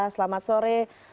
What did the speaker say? selamat sore komandan